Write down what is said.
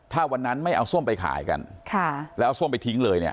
ถ้าวันนั้นไม่เอาส้มไปขายกันค่ะแล้วเอาส้มไปทิ้งเลยเนี่ย